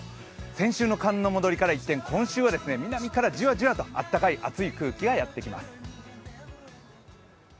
先週の寒の戻りから一転、今週は南からじわじわと暖かい暑い空気がやってきます。